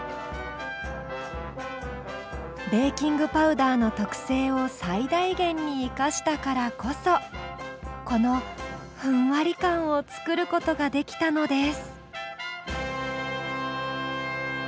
ベーキングパウダーの特性を最大限に生かしたからこそこのふんわり感を作ることができたのです。